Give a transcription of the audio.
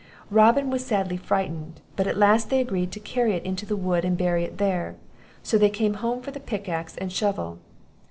Robin was sadly frightened, but at last they agreed to carry it into the wood, and bury it there; so they came home for a pickaxe and shovel.